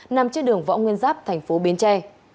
nằm trên đường võ nguyên giáp thành phố bến tre